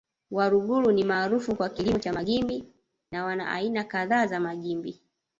Waluguru ni maarufu kwa kilimo cha magimbi na wana aina kadhaa za magimbi